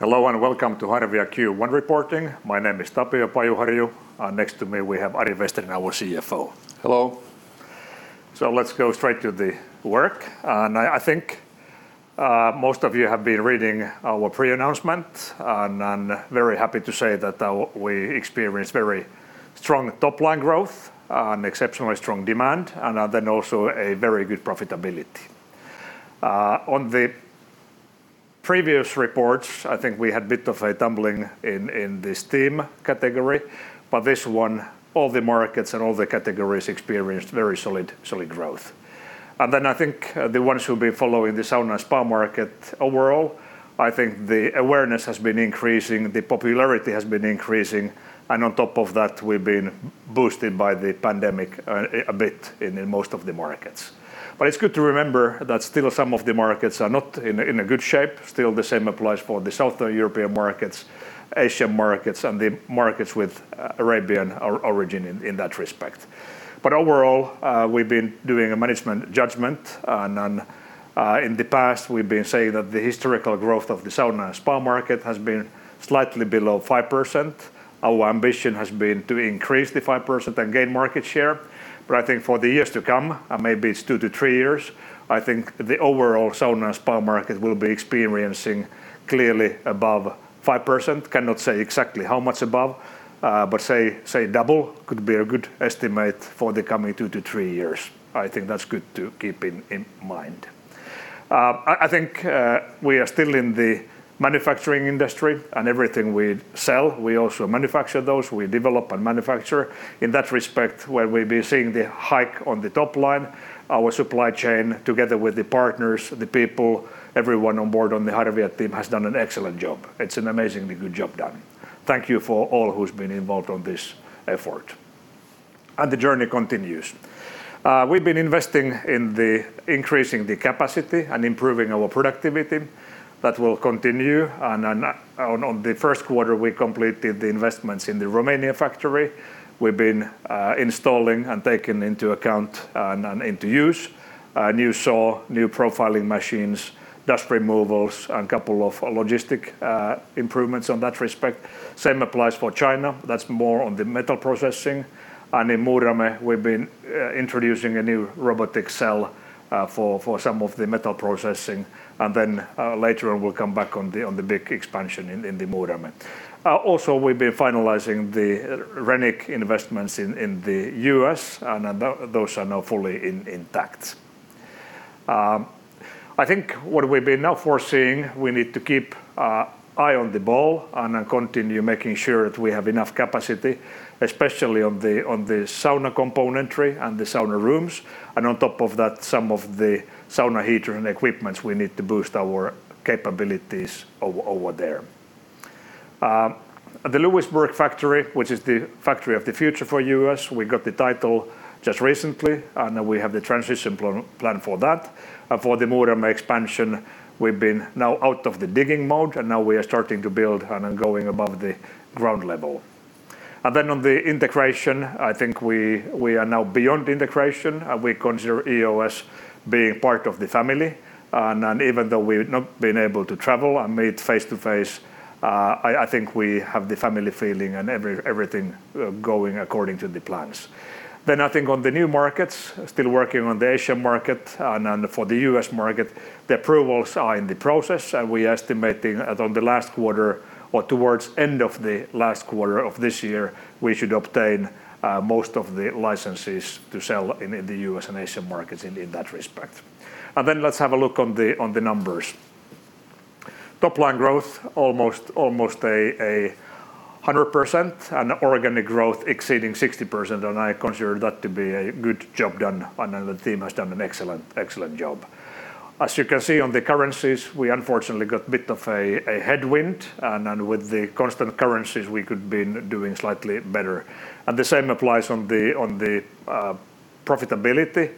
Hello, and welcome to Harvia Q1 reporting. My name is Tapio Pajuharju, and next to me we have Ari Vesterinen, our CFO. Hello. Let's go straight to the work. I think most of you have been reading our pre-announcement, and I'm very happy to say that we experienced very strong top-line growth and exceptionally strong demand, also a very good profitability. On the previous reports, I think we had a bit of a tumbling in the steam category, but this one, all the markets and all the categories experienced very solid growth. I think the ones who've been following the sauna and spa market overall, I think the awareness has been increasing, the popularity has been increasing, and on top of that, we've been boosted by the pandemic a bit in most of the markets. It's good to remember that still some of the markets are not in a good shape. Still the same applies for the Southern European markets, Asian markets, and the markets with Arabian origin in that respect. Overall, we've been doing a management judgment. In the past we've been saying that the historical growth of the sauna and spa market has been slightly below 5%. Our ambition has been to increase the 5% and gain market share. I think for the years to come, maybe it's two to three years, I think the overall sauna and spa market will be experiencing clearly above 5%. Cannot say exactly how much above, but say double could be a good estimate for the coming two to three years. I think that's good to keep in mind. I think we are still in the manufacturing industry, and everything we sell, we also manufacture those. We develop and manufacture. In that respect, where we've been seeing the hike on the top line, our supply chain, together with the partners, the people, everyone on board on the Harvia team has done an excellent job. It's an amazingly good job done. Thank you for all who's been involved on this effort. The journey continues. We've been investing in increasing the capacity and improving our productivity. That will continue. On the first quarter, we completed the investments in the Romania factory. We've been installing and taking into account and into use a new saw, new profiling machines, dust removals, and couple of logistic improvements on that respect. Same applies for China. That's more on the metal processing. In Muurame, we've been introducing a new robotic cell for some of the metal processing. Later on, we'll come back on the big expansion in the Muurame. We've been finalizing the Renick investments in the U.S., and those are now fully intact. I think what we've been now foreseeing, we need to keep our eye on the ball and continue making sure that we have enough capacity, especially on the sauna componentry and the sauna rooms. On top of that, some of the sauna heater and equipments we need to boost our capabilities over there. The Lewisburg factory, which is the factory of the future for U.S., we got the title just recently, and we have the transition plan for that. For the Muurame expansion, we've been now out of the digging mode, and now we are starting to build and are going above the ground level. On the integration, I think we are now beyond integration. We consider EOS being part of the family. Even though we've not been able to travel and meet face-to-face, I think we have the family feeling and everything going according to the plans. I think on the new markets, still working on the Asian market and for the U.S. market, the approvals are in the process. We are estimating that on the last quarter or towards end of the last quarter of this year, we should obtain most of the licenses to sell in the U.S. and Asian markets in that respect. Let's have a look on the numbers. Top line growth, almost 100%, organic growth exceeding 60%, I consider that to be a good job done, the team has done an excellent job. As you can see on the currencies, we unfortunately got a bit of a headwind, with the constant currencies, we could've been doing slightly better. The same applies on the profitability.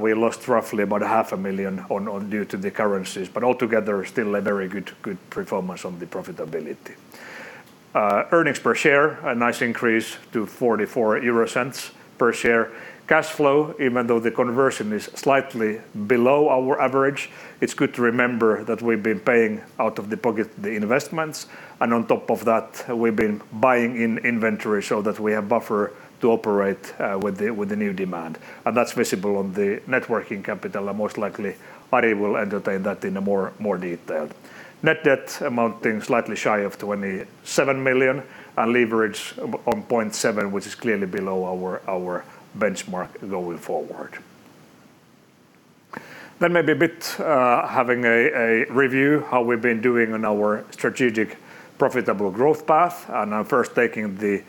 We lost roughly about half a million due to the currencies, altogether, still a very good performance on the profitability. Earnings per share, a nice increase to 0.44 per share. Cash flow, even though the conversion is slightly below our average, it's good to remember that we've been paying out of the pocket the investments, and on top of that, we've been buying in inventory so that we have buffer to operate with the new demand. That's visible on the net working capital, and most likely, Ari Vesterinen will entertain that in more detail. Net debt amounting slightly shy of 27 million, leverage on 0.7, which is clearly below our benchmark going forward. Maybe a bit, having a review how we've been doing on our strategic profitable growth path, and first taking the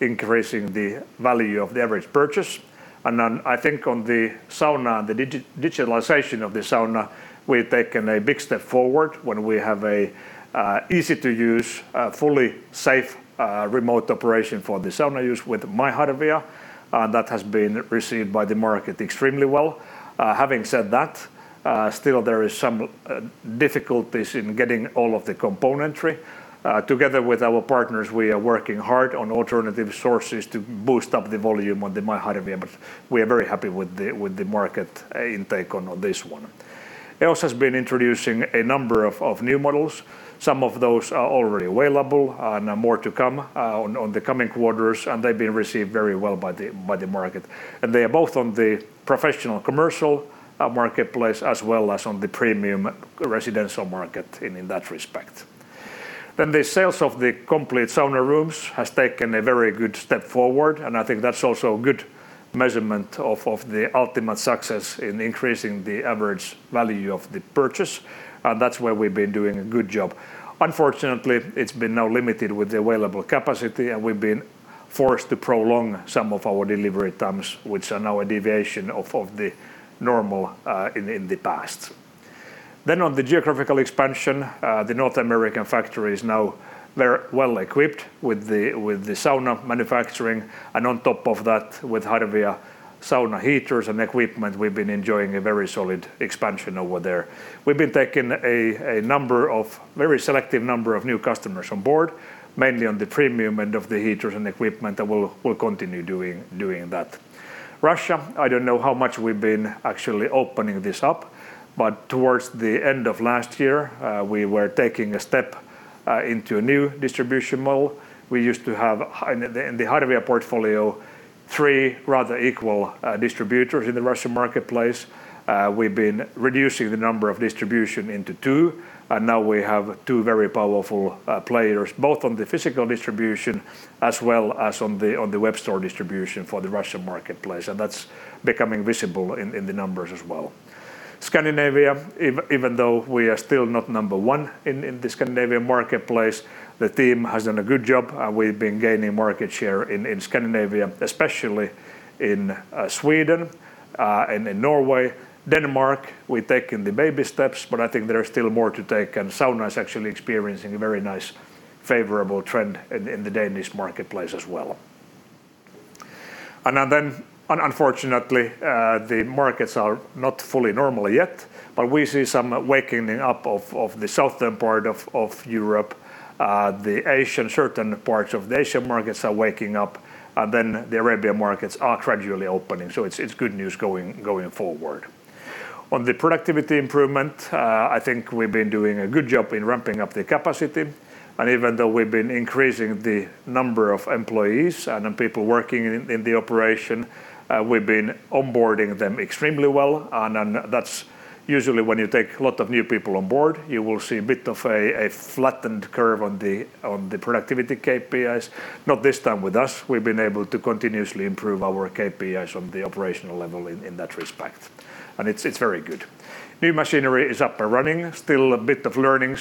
increasing the value of the average purchase. I think on the sauna, the digitalization of the sauna, we've taken a big step forward when we have easy to use, fully safe, remote operation for the sauna use with MyHarvia. That has been received by the market extremely well. Having said that, still there is some difficulties in getting all of the componentry. Together with our partners, we are working hard on alternative sources to boost up the volume on the MyHarvia, but we are very happy with the market intake on this one. EOS has been introducing a number of new models. Some of those are already available, and more to come on the coming quarters, and they've been received very well by the market. They are both on the professional commercial marketplace as well as on the premium residential market in that respect. The sales of the complete sauna rooms has taken a very good step forward, and I think that's also a good measurement of the ultimate success in increasing the average value of the purchase. That's where we've been doing a good job. Unfortunately, it's been now limited with the available capacity, and we've been forced to prolong some of our delivery times, which are now a deviation of the normal in the past. On the geographical expansion, the North American factory is now well equipped with the sauna manufacturing, and on top of that, with Harvia sauna heaters and equipment, we've been enjoying a very solid expansion over there. We've been taking a very selective number of new customers on board, mainly on the premium end of the heaters and equipment. We'll continue doing that. Russia, I don't know how much we've been actually opening this up. Towards the end of last year, we were taking a step into a new distribution model. We used to have, in the Harvia portfolio, three rather equal distributors in the Russian marketplace. We've been reducing the number of distribution into two. Now we have two very powerful players, both on the physical distribution as well as on the web store distribution for the Russian marketplace. That's becoming visible in the numbers as well. Scandinavia, even though we are still not number one in the Scandinavian marketplace, the team has done a good job. We've been gaining market share in Scandinavia, especially in Sweden and in Norway. Denmark, we're taking the baby steps, but I think there is still more to take. Sauna is actually experiencing a very nice, favorable trend in the Danish marketplace as well. Unfortunately, the markets are not fully normal yet, but we see some waking up of the southern part of Europe. Certain parts of the Asian markets are waking up. The Arabian markets are gradually opening. It's good news going forward. On the productivity improvement, I think we've been doing a good job in ramping up the capacity. Even though we've been increasing the number of employees and people working in the operation, we've been onboarding them extremely well. Usually, when you take a lot of new people on board, you will see a bit of a flattened curve on the productivity KPIs. Not this time with us. We've been able to continuously improve our KPIs on the operational level in that respect. It's very good. New machinery is up and running. Still a bit of learning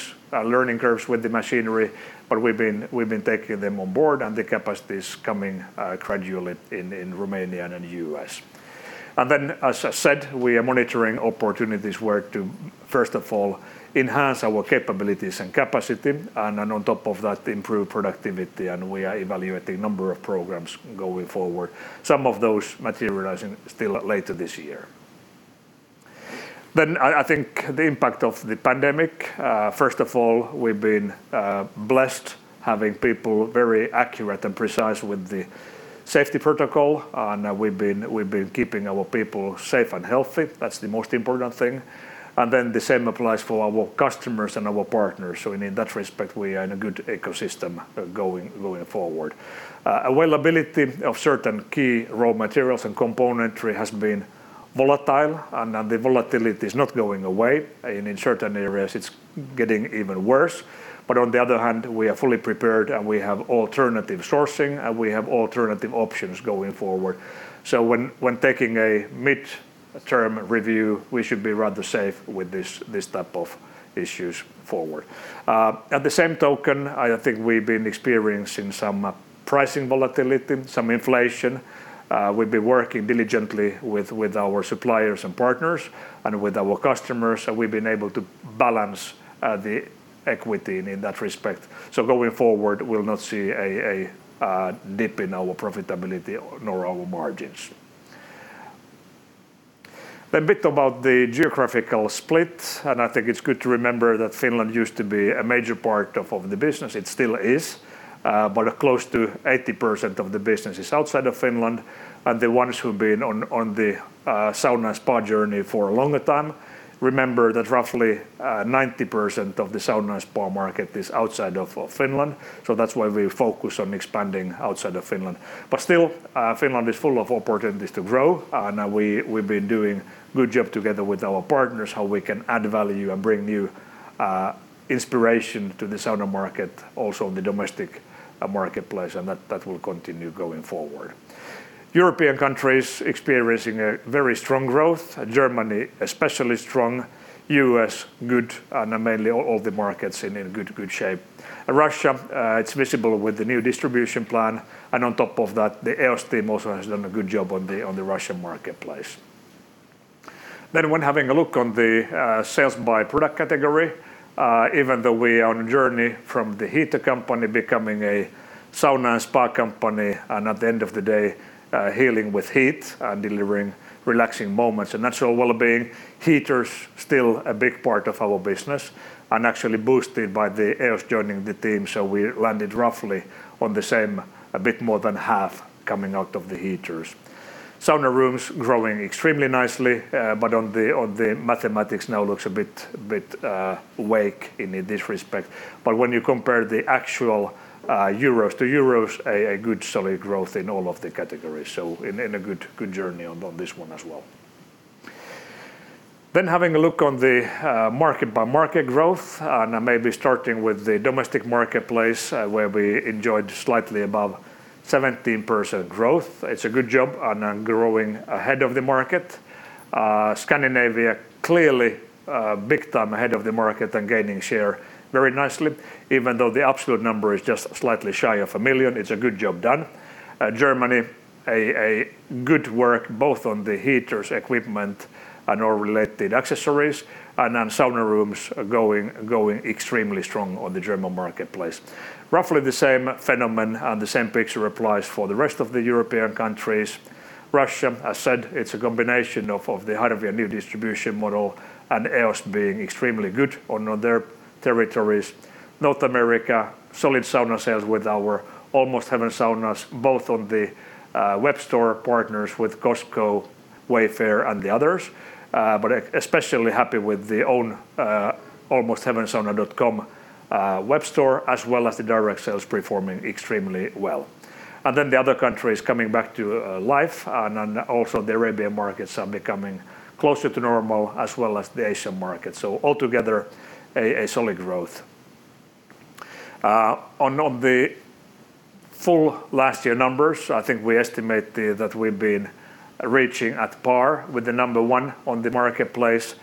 curves with the machinery, but we've been taking them on board, the capacity is coming gradually in Romania and in the U.S. As I said, we are monitoring opportunities where to, first of all, enhance our capabilities and capacity, and on top of that, improve productivity. We are evaluating a number of programs going forward. Some of those materializing still later this year. I think the impact of the pandemic, first of all, we've been blessed having people very accurate and precise with the safety protocol, and we've been keeping our people safe and healthy. That's the most important thing. The same applies for our customers and our partners. In that respect, we are in a good ecosystem going forward. Availability of certain key raw materials and componentry has been volatile, and the volatility is not going away. In certain areas, it's getting even worse. On the other hand, we are fully prepared, and we have alternative sourcing, and we have alternative options going forward. When taking a mid-term review, we should be rather safe with these type of issues forward. At the same token, I think we've been experiencing some pricing volatility, some inflation. We've been working diligently with our suppliers and partners and with our customers, and we've been able to balance the equity in that respect. Going forward, we'll not see a dip in our profitability nor our margins. A bit about the geographical split. I think it's good to remember that Finland used to be a major part of the business. It still is, close to 80% of the business is outside of Finland. The ones who've been on the Sauna & Spa journey for a longer time remember that roughly 90% of the Sauna & Spa market is outside of Finland. That's why we focus on expanding outside of Finland. Still, Finland is full of opportunities to grow, and we've been doing a good job together with our partners how we can add value and bring new inspiration to the sauna market, also in the domestic marketplace, and that will continue going forward. European countries experiencing a very strong growth. Germany, especially strong. U.S., good, and mainly all the markets in good shape. Russia, it's visible with the new distribution plan. On top of that, the EOS team also has done a good job on the Russian marketplace. When having a look on the sales by product category, even though we are on a journey from the heater company becoming a sauna and spa company, and at the end of the day, healing with heat and delivering relaxing moments and natural wellbeing. Heaters still a big part of our business and actually boosted by the EOS joining the team. We landed roughly on the same, a bit more than half coming out of the heaters. Sauna rooms growing extremely nicely, but on the mathematics now looks a bit weak in this respect. When you compare the actual euro to euros, a good solid growth in all of the categories. In a good journey on this one as well. Having a look on the market by market growth, and maybe starting with the domestic marketplace, where we enjoyed slightly above 17% growth. It's a good job on growing ahead of the market. Scandinavia, clearly big time ahead of the market and gaining share very nicely. Even though the absolute number is just slightly shy of 1 million, it's a good job done. Germany, a good work both on the heaters equipment and all related accessories, and then sauna rooms are going extremely strong on the German marketplace. Roughly the same phenomenon and the same picture applies for the rest of the European countries. Russia, as said, it's a combination of the Harvia new distribution model and EOS being extremely good on their territories. North America, solid sauna sales with our Almost Heaven Saunas, both on the web store partners with Costco, Wayfair, and the others. Especially happy with the own almostheaven.com web store, as well as the direct sales performing extremely well. The other countries coming back to life, also the Arabian markets are becoming closer to normal as well as the Asian market. Altogether, a solid growth. On the full last year numbers, I think we estimate that we've been reaching at par with the number one on the marketplace,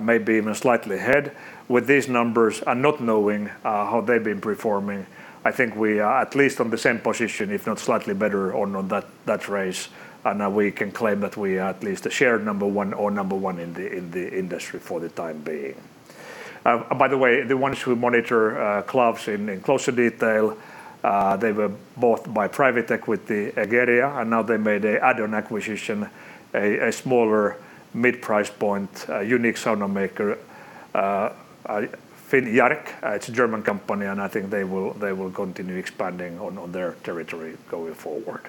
maybe even slightly ahead with these numbers and not knowing how they've been performing. I think we are at least on the same position, if not slightly better on that race. Now we can claim that we are at least a shared number one or number one in the industry for the time being. By the way, the ones who monitor clubs in closer detail, they were bought by private equity, Egeria, and now they made an add-on acquisition, a smaller mid-price point, unique sauna maker, FINNJARK. It's a German company, I think they will continue expanding on their territory going forward.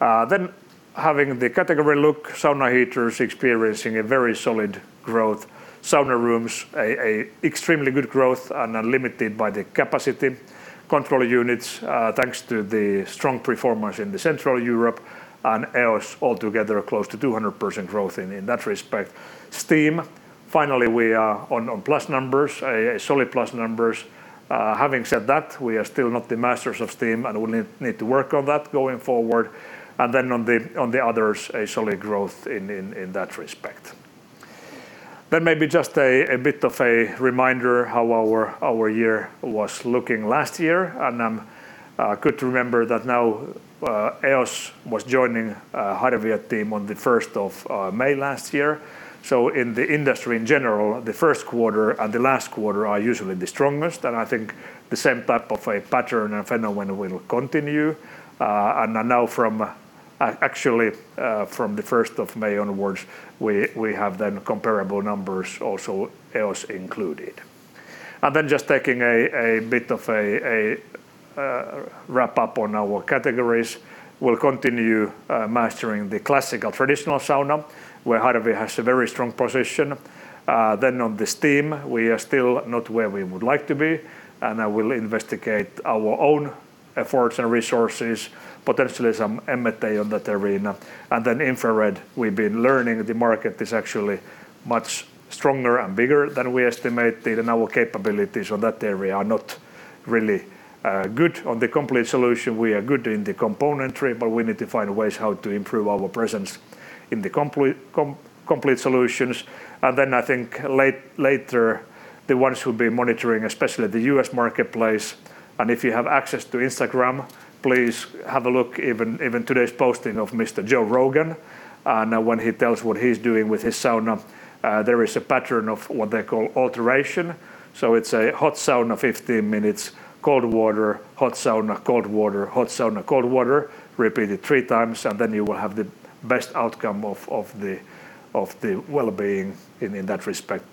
Having the category look, sauna heaters experiencing a very solid growth. Sauna rooms, extremely good growth and are limited by the capacity. Control units, thanks to the strong performance in the Central Europe and EOS altogether close to 200% growth in that respect. Steam, finally, we are on plus numbers, solid plus numbers. Having said that, we are still not the masters of steam, and we need to work on that going forward. On the others, a solid growth in that respect. Maybe just a bit of a reminder how our year was looking last year, and I'm good to remember that now EOS was joining Harvia team on the 1st of May last year. In the industry in general, the first quarter and the last quarter are usually the strongest, and I think the same type of a pattern and phenomenon will continue. Now from, actually from the 1st of May onwards, we have then comparable numbers also EOS included. Just taking a bit of a wrap-up on our categories. We'll continue mastering the classical traditional sauna, where Harvia has a very strong position. On the steam, we are still not where we would like to be, and I will investigate our own efforts and resources, potentially some M&A on that arena. infrared, we've been learning the market is actually much stronger and bigger than we estimated, and our capabilities on that area are not really good on the complete solution. We are good in the componentry, but we need to find ways how to improve our presence in the complete solutions. I think later, the ones who'll be monitoring, especially the U.S. marketplace, and if you have access to Instagram, please have a look even today's posting of Mr. Joe Rogan. When he tells what he's doing with his sauna, there is a pattern of what they call alternation. It's a hot sauna, 15 minutes, cold water, hot sauna, cold water, hot sauna, cold water, repeated three times, and then you will have the best outcome of the wellbeing in that respect.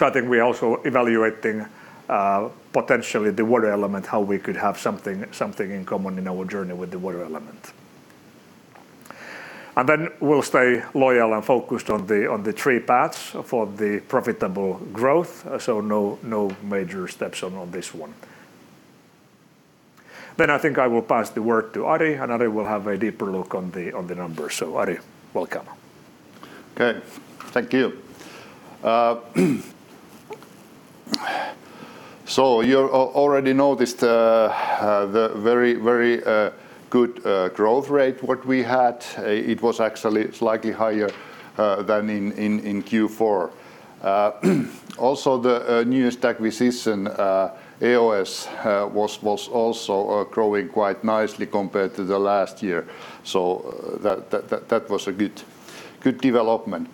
I think we're also evaluating potentially the water element, how we could have something in common in our journey with the water element. We'll stay loyal and focused on the three paths for the profitable growth. No major steps on this one. I think I will pass the word to Ari, and Ari will have a deeper look on the numbers. Ari, welcome. Okay. Thank you. You already noticed the very good growth rate what we had. It was actually slightly higher than in Q4. Also, the newest acquisition, EOS, was also growing quite nicely compared to the last year. That was good development.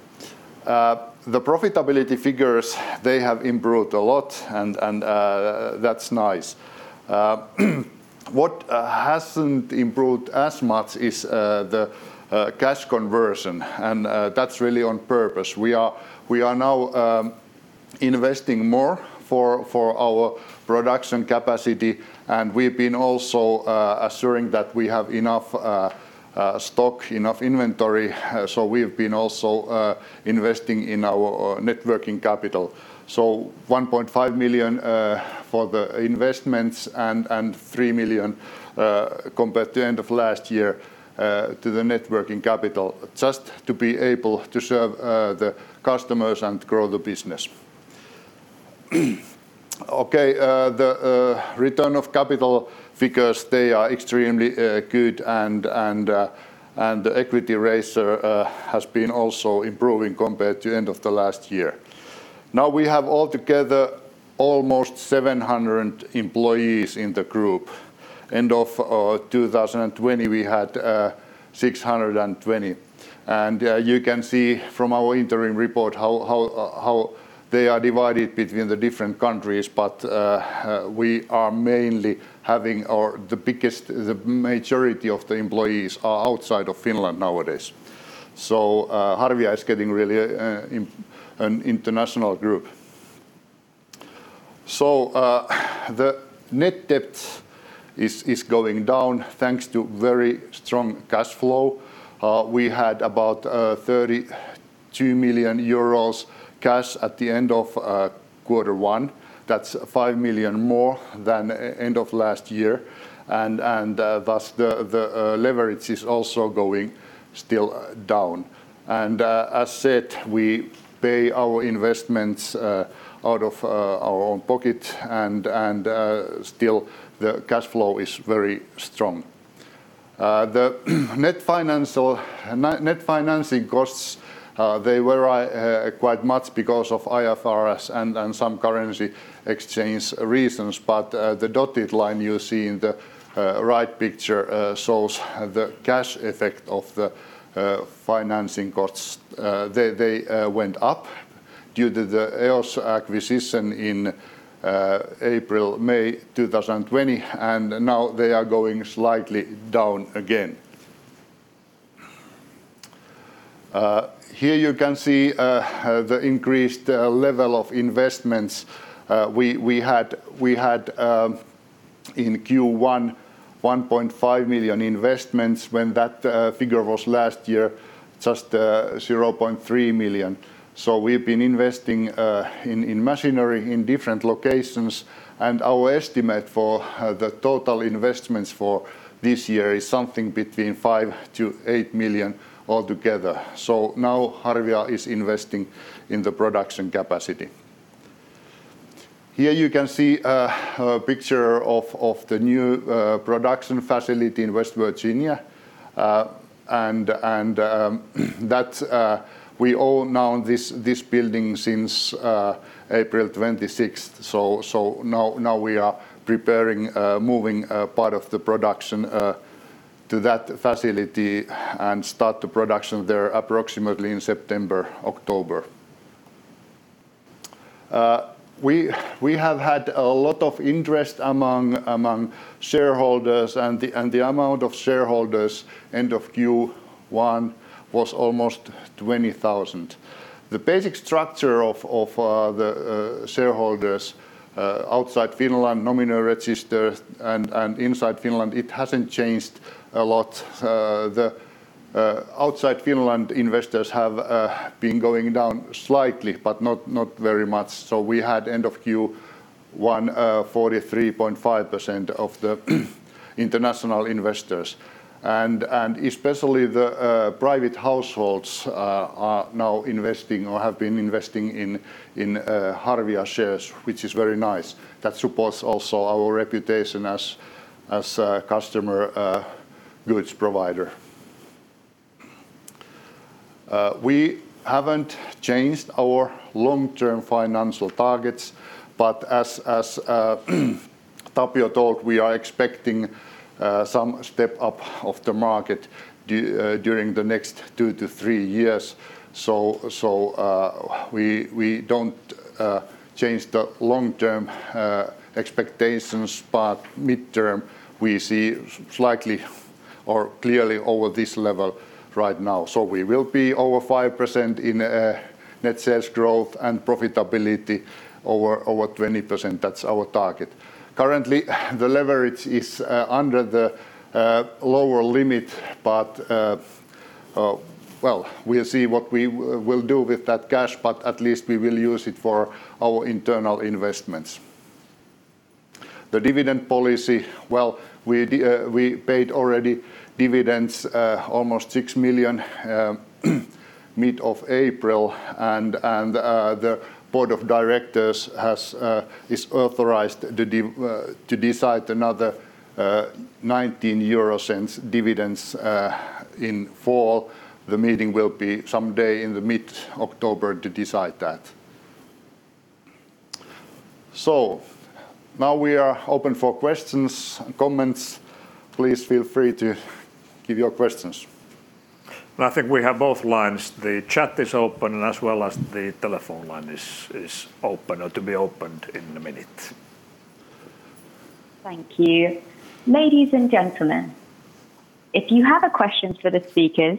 The profitability figures have improved a lot, and that's nice. What hasn't improved as much is the cash conversion, and that's really on purpose. We are now investing more for our production capacity, and we've been also assuring that we have enough stock, enough inventory, so we have been also investing in our networking capital. 1.5 million for the investments and 3 million compared to end of last year to the net working capital, just to be able to serve the customers and grow the business. Okay. The return of capital figures, they are extremely good and the equity ratio has been also improving compared to end of the last year. We have altogether almost 700 employees in the group. End of 2020, we had 620. You can see from our interim report how they are divided between the different countries. We are mainly having the majority of the employees are outside of Finland nowadays. Harvia is getting really an international group. The net debt is going down thanks to very strong cash flow. We had about 32 million euros cash at the end of quarter one. That's 5 million more than end of last year, and thus the leverage is also going still down. As said, we pay our investments out of our own pocket and still the cash flow is very strong. The net financing costs, they were quite much because of IFRS and some currency exchange reasons, but the dotted line you see in the right picture shows the cash effect of the financing costs. They went up due to the EOS acquisition in April/May 2020. Now they are going slightly down again. Here you can see the increased level of investments we had in Q1, 1.5 million investments when that figure was last year just 0.3 million. We've been investing in machinery in different locations and our estimate for the total investments for this year is something between 5 million-8 million altogether. Now Harvia is investing in the production capacity. Here you can see a picture of the new production facility in West Virginia. We own now this building since April 26th. Now we are preparing, moving a part of the production to that facility and start the production there approximately in September, October. We have had a lot of interest among shareholders and the amount of shareholders end of Q1 was almost 20,000. The basic structure of the shareholders outside Finland nominal register and inside Finland, it hasn't changed a lot. The outside Finland investors have been going down slightly, but not very much. We had end of Q1, 43.5% of the international investors and especially the private households are now investing or have been investing in Harvia shares, which is very nice. That supports also our reputation as a customer goods provider. We haven't changed our long-term financial targets, but as Tapio told, we are expecting some step up of the market during the next two to three years. We don't change the long-term expectations, but mid-term, we see slightly or clearly over this level right now. We will be over 5% in net sales growth and profitability over 20%. That's our target. Currently, the leverage is under the lower limit, but well, we'll see what we will do with that cash, but at least we will use it for our internal investments. The dividend policy, well, we paid already dividends almost 6 million mid of April and the board of directors is authorized to decide another 0.19 dividends in fall. The meeting will be someday in mid-October to decide that. Now we are open for questions and comments. Please feel free to give your questions. I think we have both lines. The chat is open as well as the telephone line is open or to be opened in a minute. Thank you. Ladies and gentlemen, if you have a question for the speakers,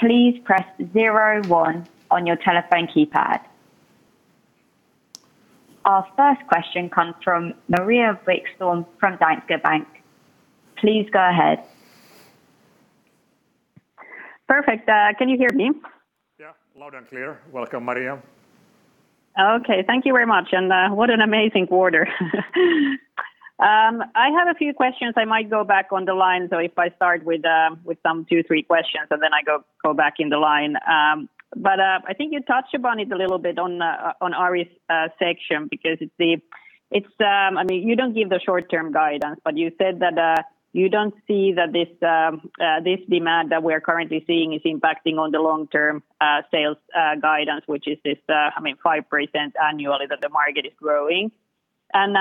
please press zero one on your telephone keypad. Our first question comes from Maria Wikström from Danske Bank. Please go ahead. Perfect. Can you hear me? Yeah, loud and clear. Welcome, Maria. Okay. Thank you very much. What an amazing quarter. I have a few questions. I might go back on the line. If I start with some two, three questions and then I go back in the line. I think you touched upon it a little bit on Ari's section because you don't give the short-term guidance, but you said that you don't see that this demand that we're currently seeing is impacting on the long-term sales guidance, which is this 5% annually that the market is growing. At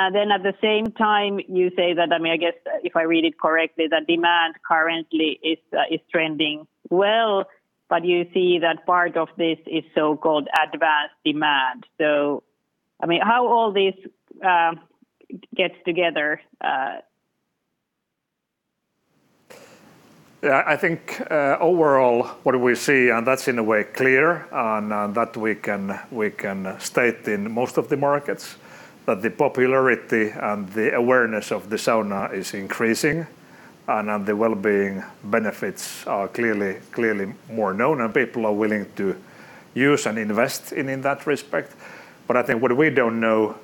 the same time, you say that, I guess, if I read it correctly, that demand currently is trending well, but you see that part of this is so-called advanced demand. How all this gets together? Yeah, I think, overall, what we see, and that's in a way clear, and that we can state in most of the markets, that the popularity and the awareness of the sauna is increasing, and the wellbeing benefits are clearly more known, and people are willing to use and invest in that respect. I think what we don't know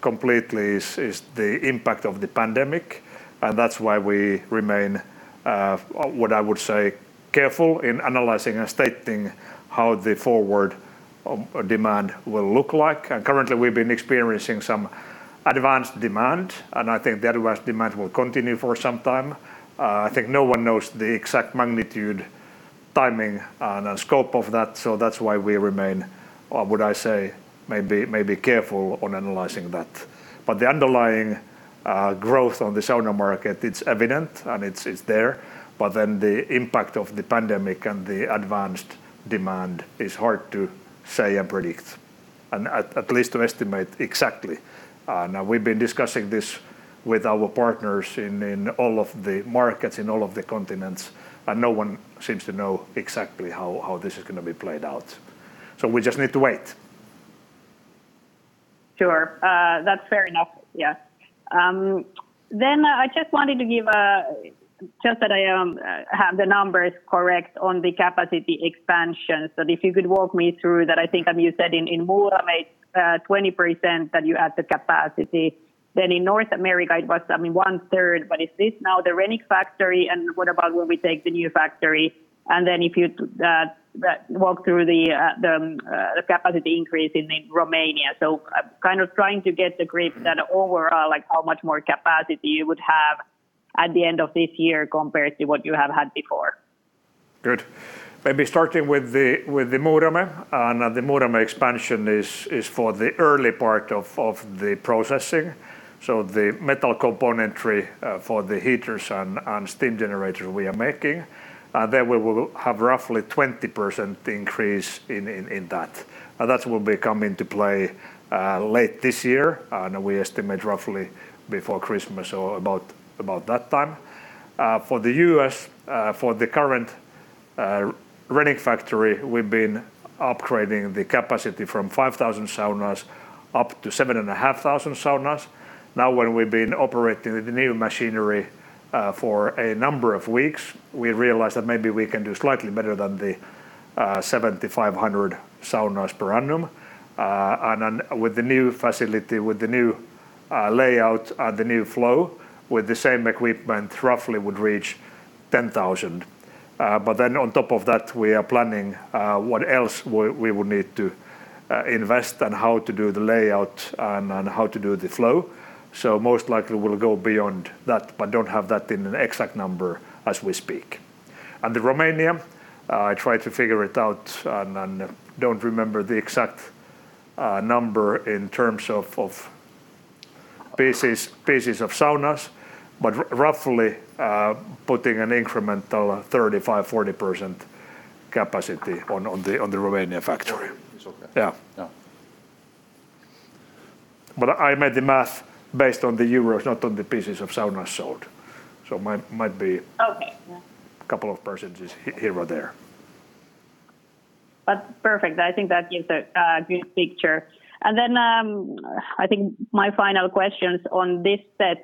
completely is the impact of the pandemic, and that's why we remain, what I would say, careful in analyzing and stating how the forward demand will look like. Currently, we've been experiencing some advanced demand, and I think the advanced demand will continue for some time. I think no one knows the exact magnitude, timing, and scope of that's why we remain, what would I say, maybe careful on analyzing that. The underlying growth on the sauna market, it's evident, and it's there. The impact of the pandemic and the advanced demand is hard to say and predict, and at least to estimate exactly. We've been discussing this with our partners in all of the markets, in all of the continents, and no one seems to know exactly how this is going to be played out. We just need to wait. Sure. That's fair enough. Yeah. I just wanted to give, just that I have the numbers correct on the capacity expansion. If you could walk me through that, I think you said in Muurame, 20% that you add the capacity. In North America, it was one third, is this now the Renick factory, What about when we take the new factory? If you walk through the capacity increase in Romania. I'm kind of trying to get a grip that overall, how much more capacity you would have at the end of this year compared to what you have had before. Good. Maybe starting with the Muurame. The Muurame expansion is for the early part of the processing. The metal componentry for the heaters and steam generators we are making, there we will have roughly 20% increase in that. That will be coming to play late this year, and we estimate roughly before Christmas or about that time. For the U.S., for the current Renick factory, we've been upgrading the capacity from 5,000 saunas up to 7,500 saunas. Now when we've been operating the new machinery for a number of weeks, we realized that maybe we can do slightly better than the 7,500 saunas per annum. With the new facility, with the new layout and the new flow, with the same equipment, roughly would reach 10,000. On top of that, we are planning what else we would need to invest and how to do the layout and how to do the flow. Most likely we'll go beyond that, but don't have that in an exact number as we speak. The Romania, I tried to figure it out and don't remember the exact number in terms of pieces of saunas, but roughly, putting an incremental 35%-40% capacity on the Romania factory. It's okay. Yeah. Yeah. I made the math based on the euros, not on the pieces of sauna sold. Okay. Yeah. Couple of percentages here or there. That's perfect. I think that gives a good picture. Then, I think my final questions on this set,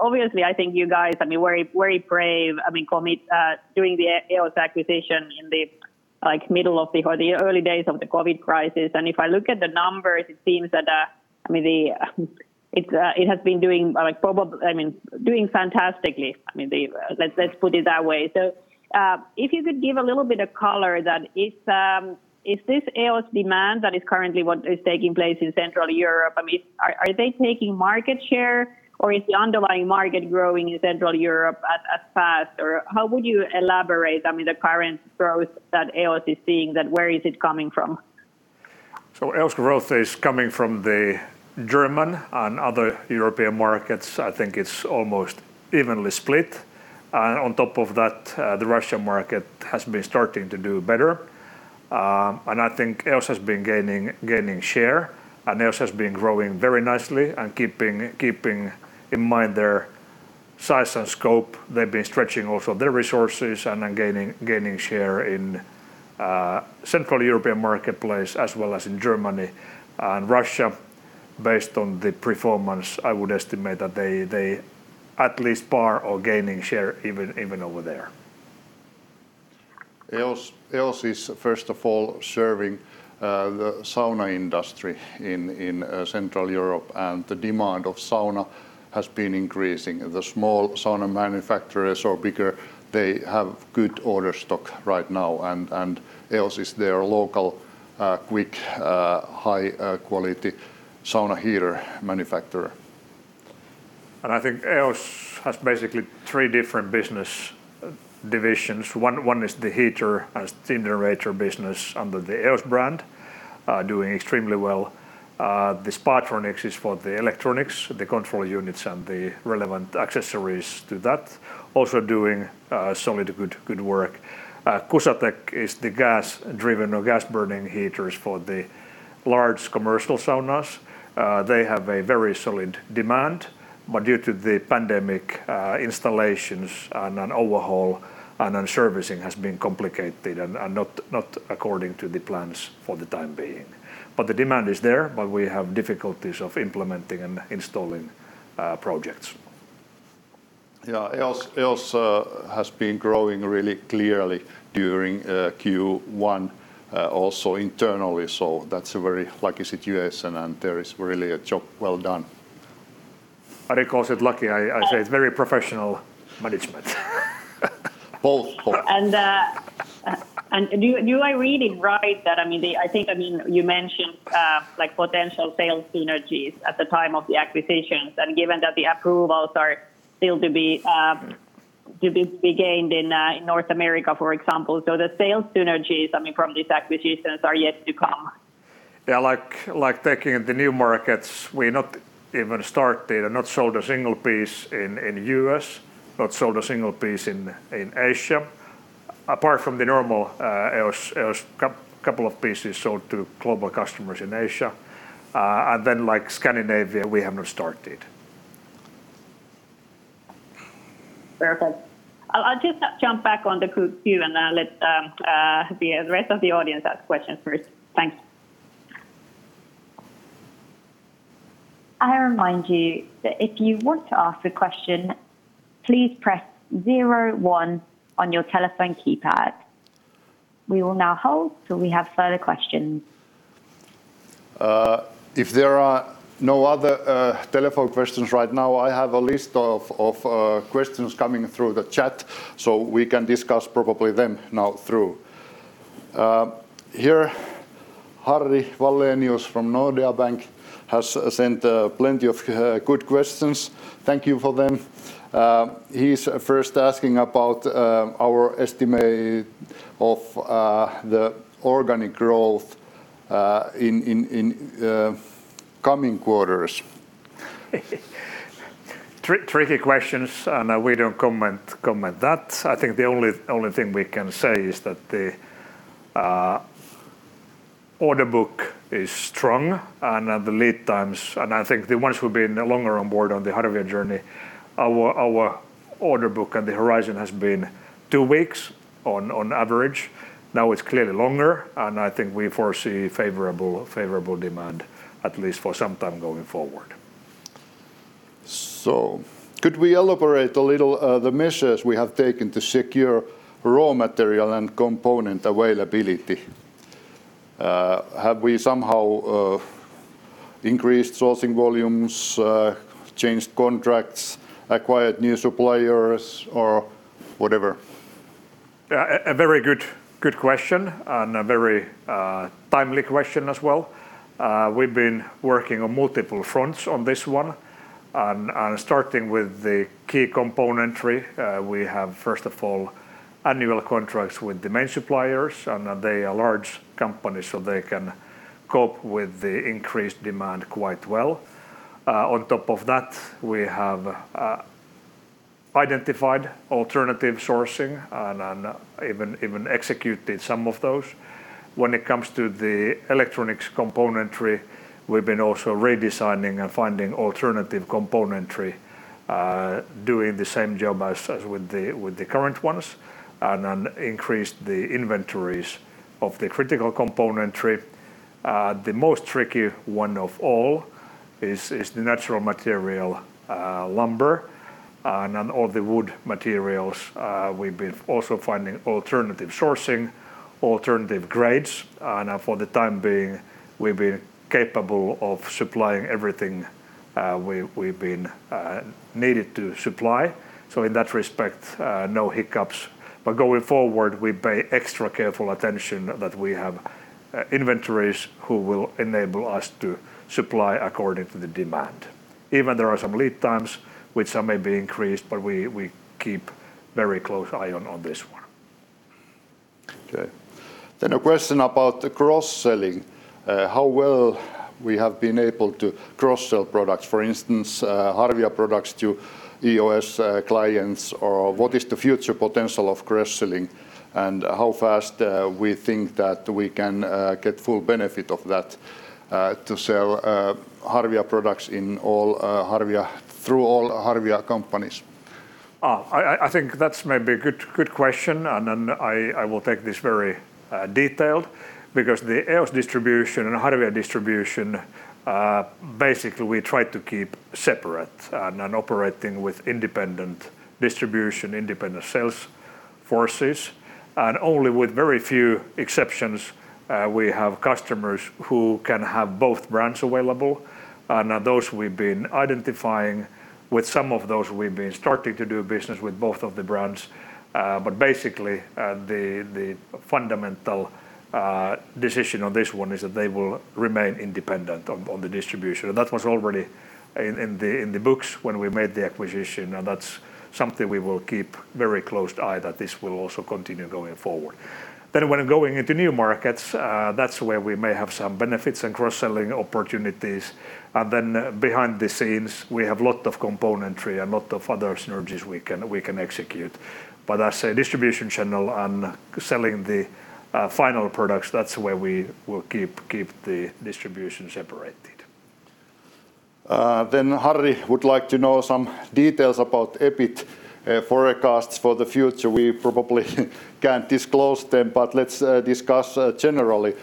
obviously, I think you guys were brave doing the EOS acquisition in the middle of the, or the early days of the COVID crisis. If I look at the numbers, it seems that it has been doing fantastically. Let's put it that way. If you could give a little bit of color that if this EOS demand that is currently what is taking place in Central Europe, are they taking market share, or is the underlying market growing in Central Europe as fast? How would you elaborate the current growth that EOS is seeing that where is it coming from? EOS growth is coming from the German and other European markets. I think it's almost evenly split. On top of that, the Russian market has been starting to do better. I think EOS has been gaining share, and EOS has been growing very nicely and keeping in mind their size and scope. They've been stretching also their resources and are gaining share in Central European marketplace as well as in Germany and Russia. Based on the performance, I would estimate that they at least par or gaining share even over there. EOS is, first of all, serving the sauna industry in Central Europe, and the demand of sauna has been increasing. The small sauna manufacturers or bigger, they have good order stock right now, and EOS is their local quick, high quality sauna heater manufacturer. I think EOS has basically three different business divisions. One is the heater and steam generator business under the EOS brand, doing extremely well. The Spatronic is for the electronics, the control units, and the relevant accessories to that, also doing solid good work. Kusatek is the gas-driven or gas-burning heaters for the large commercial saunas. They have a very solid demand, due to the pandemic, installations and overhaul and then servicing has been complicated and not according to the plans for the time being. The demand is there, but we have difficulties of implementing and installing projects. EOS has been growing really clearly during Q1, also internally. That's a very lucky situation. There is really a job well done. Are they considered lucky? I say it's very professional management. Both. Do I read it right that, I think you mentioned potential sales synergies at the time of the acquisitions, and given that the approvals are still to be gained in North America, for example? The sales synergies, from these acquisitions, are yet to come. Yeah, like taking the new markets, we're not even started and not sold one piece in U.S., not sold one piece in Asia, apart from the normal EOS couple of pieces sold to global customers in Asia. Like Scandinavia, we have not started. Perfect. I'll just jump back on the queue and let the rest of the audience ask questions first. Thanks. I remind you that if you want to ask a question, please press zero one on your telephone keypad. We will now hold till we have further questions. If there are no other telephone questions right now, I have a list of questions coming through the chat, so we can discuss probably them now through. Here, Harri Wallenius from Nordea Bank has sent plenty of good questions. Thank you for them. He's first asking about our estimate of the organic growth in coming quarters. Tricky questions. We don't comment that. I think the only thing we can say is that the order book is strong. I think the ones who've been longer on board on the Harvia journey, our order book and the horizon has been two weeks on average. Now it's clearly longer, and I think we foresee favorable demand at least for some time going forward. Could we elaborate a little the measures we have taken to secure raw material and component availability? Have we somehow increased sourcing volumes, changed contracts, acquired new suppliers, or whatever? Yeah, a very good question and a very timely question as well. We've been working on multiple fronts on this one, and starting with the key componentry, we have, first of all, annual contracts with the main suppliers, and they are large companies, so they can cope with the increased demand quite well. On top of that, we have identified alternative sourcing and even executed some of those. When it comes to the electronics componentry, we've been also redesigning and finding alternative componentry, doing the same job as with the current ones, and then increased the inventories of the critical componentry. The most tricky one of all is the natural material lumber and all the wood materials. We've been also finding alternative sourcing, alternative grades, and for the time being, we've been capable of supplying everything we've been needed to supply. In that respect, no hiccups. Going forward, we pay extra careful attention that we have inventories that will enable us to supply according to the demand. There are some lead times, which some may be increased, but we keep very close eye on this one. A question about the cross-selling. How well we have been able to cross-sell products, for instance, Harvia products to EOS clients, or what is the future potential of cross-selling, and how fast we think that we can get full benefit of that to sell Harvia products through all Harvia companies? I think that's maybe a good question, and then I will take this very detailed, because the EOS distribution and Harvia distribution, basically, we try to keep separate and operating with independent distribution, independent sales forces. Only with very few exceptions, we have customers who can have both brands available. Those we've been identifying, with some of those, we've been starting to do business with both of the brands. Basically, the fundamental decision on this one is that they will remain independent on the distribution. That was already in the books when we made the acquisition, and that's something we will keep a very close eye that this will also continue going forward. When going into new markets, that's where we may have some benefits and cross-selling opportunities. Behind the scenes, we have lot of componentry and lot of other synergies we can execute. As a distribution channel and selling the final products, that's where we will keep the distribution separated. Harri would like to know some details about EBIT forecasts for the future. We probably can't disclose them, but let's discuss generally.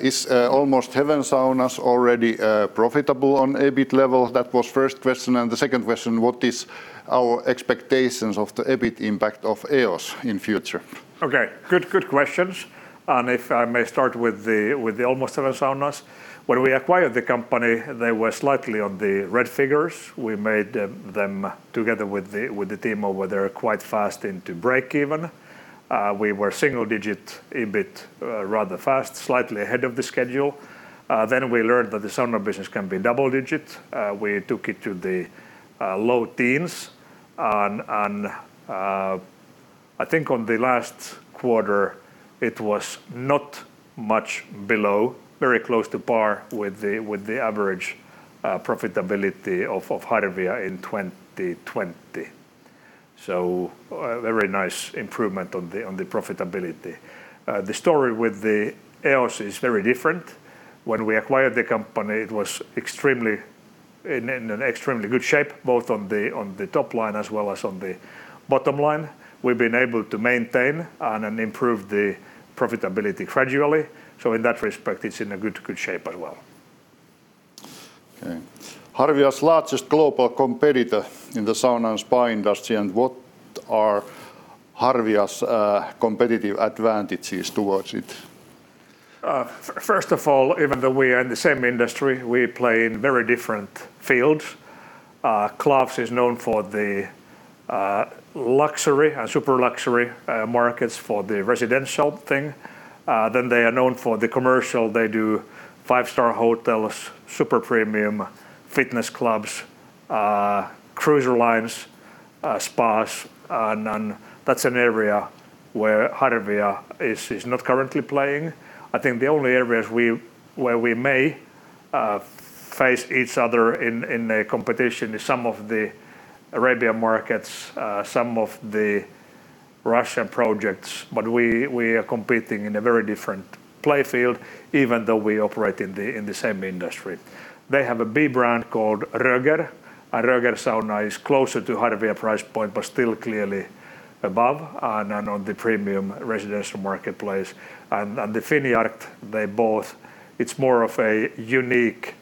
Is Almost Heaven Saunas already profitable on EBIT level? That was first question. The second question, what is our expectations of the EBIT impact of EOS in future? Okay. Good questions. If I may start with the Almost Heaven Saunas. When we acquired the company, they were slightly on the red figures. We made them, together with the team over there, quite fast into break even. We were single-digit EBIT, rather fast, slightly ahead of the schedule. We learned that the sauna business can be double-digit. We took it to the low teens. I think on the last quarter, it was not much below, very close to par with the average profitability of Harvia in 2020. A very nice improvement on the profitability. The story with the EOS is very different. When we acquired the company, it was in an extremely good shape, both on the top line as well as on the bottom line. We've been able to maintain and improve the profitability gradually. In that respect, it's in a good shape as well. Okay. Harvia's largest global competitor in the sauna and spa industry, and what are Harvia's competitive advantages towards it? First of all, even though we are in the same industry, we play in very different fields. KLAFS is known for the luxury and super luxury markets for the residential thing. They are known for the commercial. They do five-star hotels, super premium fitness clubs, cruiser lines, spas. That's an area where Harvia is not currently playing. I think the only areas where we may face each other in a competition is some of the Arabian markets, some of the Russian projects. We are competing in a very different play field, even though we operate in the same industry. They have a B brand called Röger, and Röger Sauna is closer to Harvia price point, but still clearly above and on the premium residential marketplace. The FINNJARK, they both, it's more of a unique,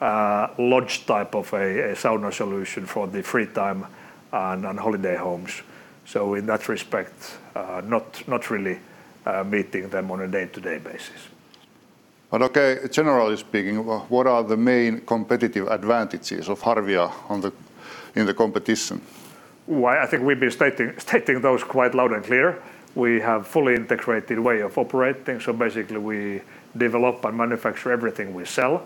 large type of a sauna solution for the free time and holiday homes. In that respect, not really meeting them on a day-to-day basis. Okay, generally speaking, what are the main competitive advantages of Harvia in the competition? Well, I think we've been stating those quite loud and clear. Basically, we develop and manufacture everything we sell.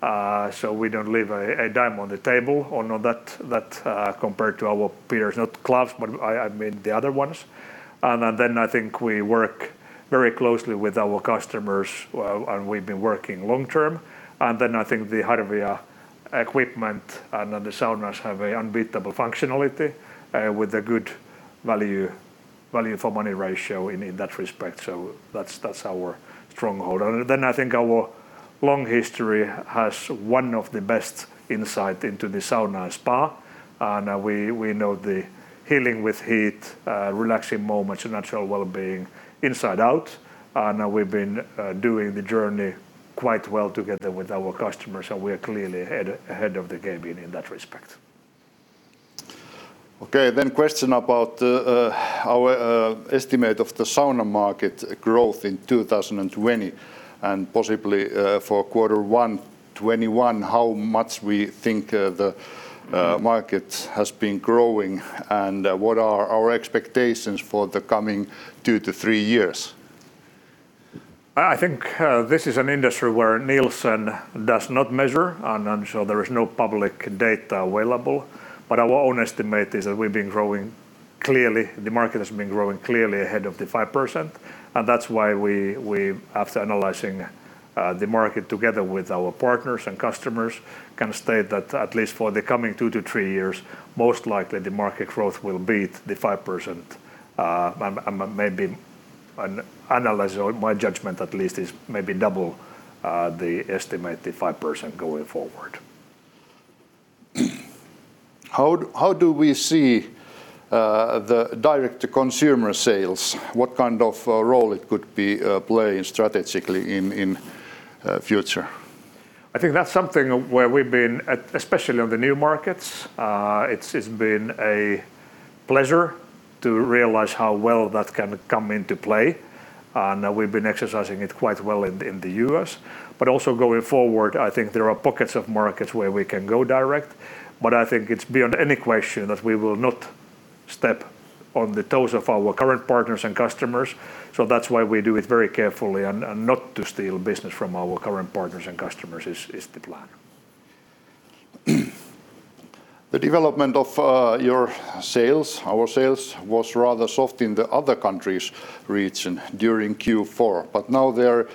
We don't leave a dime on the table on that compared to our peers, not KLAFS, but I mean the other ones. I think we work very closely with our customers, and we've been working long-term. I think the Harvia equipment and the saunas have an unbeatable functionality with a good value for money ratio in that respect. That's our stronghold. I think our long history has one of the best insight into the sauna and spa, and we know the healing with heat, relaxing moments, and natural wellbeing inside out. We've been doing the journey quite well together with our customers, and we are clearly ahead of the game in that respect. Question about our estimate of the sauna market growth in 2020 and possibly, for quarter one 2021, how much we think the market has been growing and what are our expectations for the coming two to three years? I think this is an industry where Nielsen does not measure, there is no public data available. Our own estimate is that the market has been growing clearly ahead of the 5%, and that's why we, after analyzing the market together with our partners and customers, can state that at least for the coming two to three years, most likely the market growth will beat the 5%. My judgment at least is maybe double the estimated 5% going forward. How do we see the direct-to-consumer sales? What kind of role it could be playing strategically in future? I think that's something where we've been, especially on the new markets, it's been a pleasure to realize how well that can come into play, and we've been exercising it quite well in the U.S. Also going forward, I think there are pockets of markets where we can go direct. I think it's beyond any question that we will not step on the toes of our current partners and customers, so that's why we do it very carefully. Not to steal business from our current partners and customers is the plan. The development of our sales was rather soft in the other countries region during Q4. Now there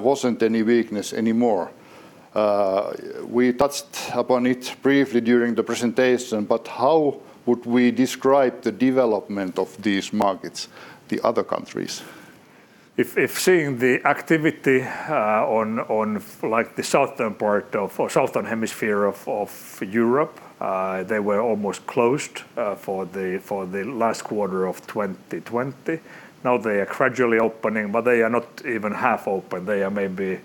wasn't any weakness anymore. We touched upon it briefly during the presentation, but how would we describe the development of these markets, the other countries? If seeing the activity on the southern hemisphere of Europe, they were almost closed for the last quarter of 2020. Now they are gradually opening, but they are not even half open. They are maybe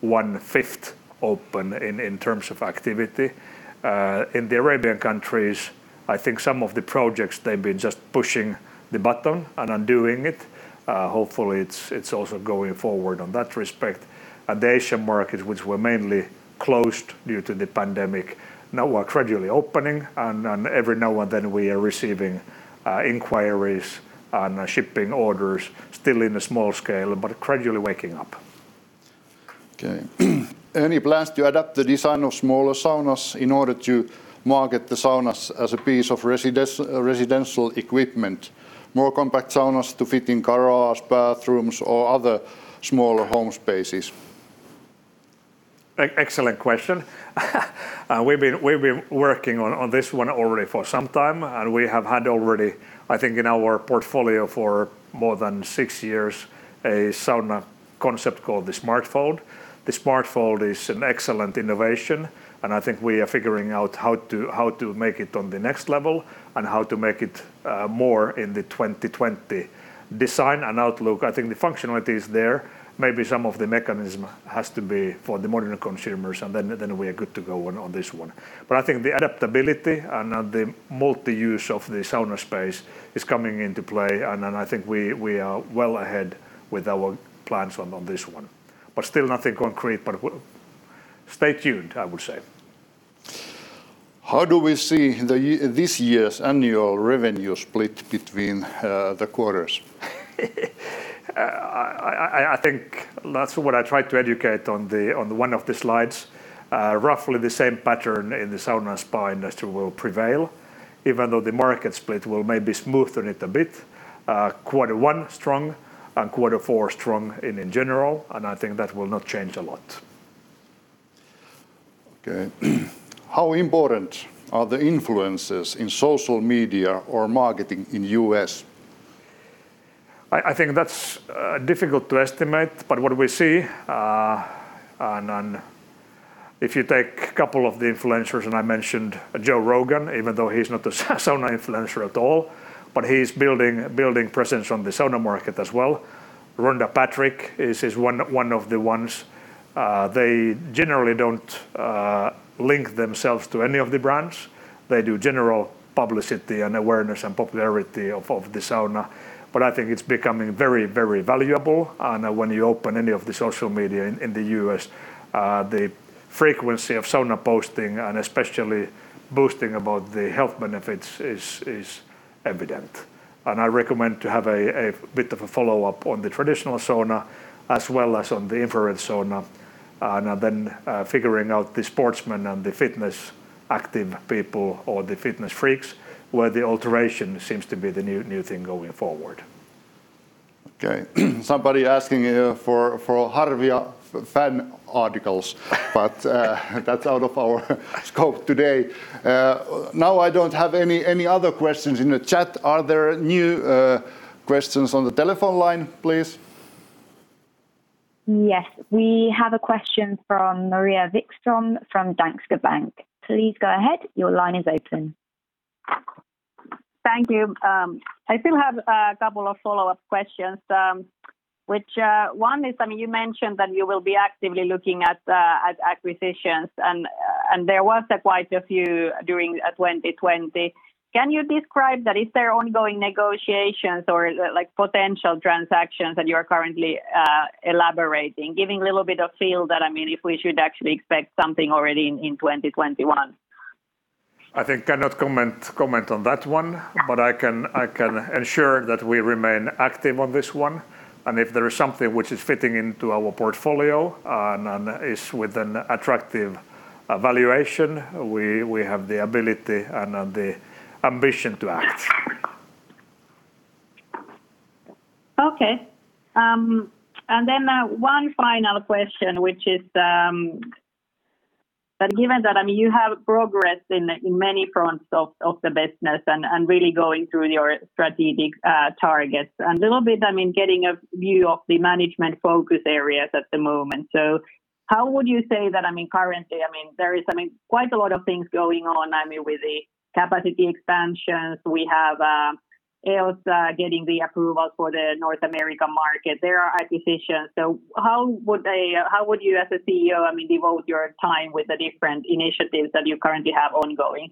one-fifth open in terms of activity. In the Arabian countries, I think some of the projects, they've been just pushing the button and undoing it. Hopefully, it's also going forward on that respect. The Asian markets, which were mainly closed due to the pandemic, now are gradually opening, and every now and then we are receiving inquiries and shipping orders, still in a small scale, but gradually waking up. Okay. Any plans to adapt the design of smaller saunas in order to market the saunas as a piece of residential equipment? More compact saunas to fit in garage, bathrooms, or other smaller home spaces. Excellent question. We've been working on this one already for some time, and we have had already, I think in our portfolio for more than six years, a sauna concept called the SmartFold. The SmartFold is an excellent innovation, and I think we are figuring out how to make it on the next level and how to make it more in the 2020 design and outlook. I think the functionality is there. Maybe some of the mechanism has to be for the modern consumers, and then we are good to go on this one. I think the adaptability and the multi-use of the sauna space is coming into play, and I think we are well ahead with our plans on this one. Still nothing concrete. Stay tuned, I would say. How do we see this year's annual revenue split between the quarters? I think that's what I tried to educate on one of the slides. Roughly the same pattern in the sauna and spa industry will prevail, even though the market split will maybe smoothen it a bit. Quarter one strong and quarter four strong in general, and I think that will not change a lot. Okay. How important are the influencers in social media or marketing in U.S.? I think that's difficult to estimate, but what we see, and if you take a couple of the influencers, and I mentioned Joe Rogan, even though he's not a sauna influencer at all, but he's building presence on the sauna market as well. Rhonda Patrick is one of the ones. They generally don't link themselves to any of the brands. They do general publicity and awareness and popularity of the sauna. I think it's becoming very valuable, and when you open any of the social media in the U.S., the frequency of sauna posting and especially boasting about the health benefits is evident. I recommend to have a bit of a follow-up on the traditional sauna as well as on the infrared sauna, and then figuring out the sportsmen and the fitness active people or the fitness freaks, where the alternation seems to be the new thing going forward. Okay. Somebody asking here for Harvia fan articles. That's out of our scope today. I don't have any other questions in the chat. Are there new questions on the telephone line, please? Yes. We have a question from Maria Wikström from Danske Bank. Please go ahead. Your line is open. Thank you. I still have a couple of follow-up questions. One is, you mentioned that you will be actively looking at acquisitions, and there was quite a few during 2020. Can you describe that? Is there ongoing negotiations or potential transactions that you're currently elaborating? Giving a little bit of feel that if we should actually expect something already in 2021. I cannot comment on that one, but I can ensure that we remain active on this one. If there is something which is fitting into our portfolio and is with an attractive valuation, we have the ability and the ambition to act. Okay. One final question, which is that given that you have progressed in many fronts of the business and really going through your strategic targets, and little bit getting a view of the management focus areas at the moment. How would you say that currently, there is quite a lot of things going on with the capacity expansions. We have EOS getting the approval for the North America market. There are acquisitions. How would you as a CEO devote your time with the different initiatives that you currently have ongoing?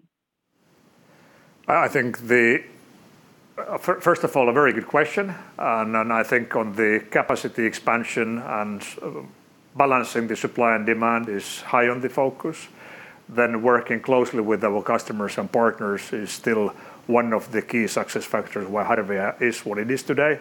First of all, a very good question. I think on the capacity expansion and balancing the supply and demand is high on the focus. Working closely with our customers and partners is still one of the key success factors why Harvia is what it is today.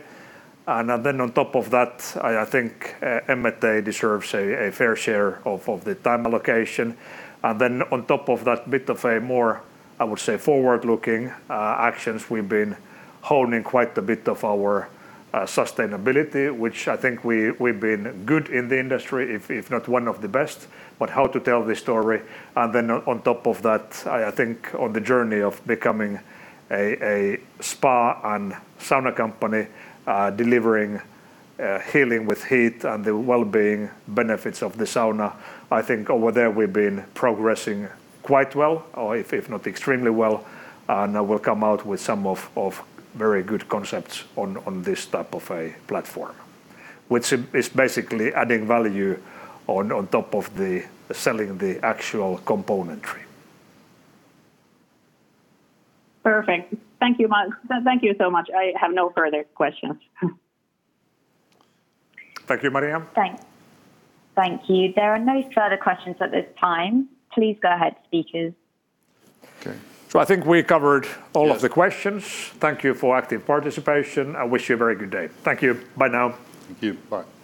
On top of that, I think M&A deserves a fair share of the time allocation. On top of that bit of a more, I would say, forward-looking actions, we've been honing quite a bit of our sustainability, which I think we've been good in the industry, if not one of the best, but how to tell the story. On top of that, I think on the journey of becoming a spa and sauna company delivering healing with heat and the wellbeing benefits of the sauna, I think over there we've been progressing quite well or if not extremely well. We'll come out with some very good concepts on this type of a platform, which is basically adding value on top of selling the actual componentry. Perfect. Thank you so much. I have no further questions. Thank you, Maria. Thanks. Thank you. There are no further questions at this time. Please go ahead, speakers. I think we covered all of the questions. Thank you for active participation. I wish you a very good day. Thank you. Bye now. Thank you. Bye.